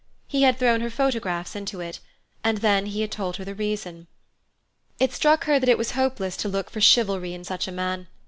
He had thrown her photographs into it, and then he had told her the reason. It struck her that it was hopeless to look for chivalry in such a man.